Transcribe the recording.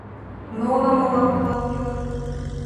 Нуно мылам молан кӱлыт.